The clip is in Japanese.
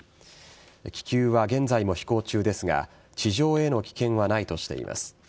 気球は現在も飛行中ですが地上への危険はないとしています。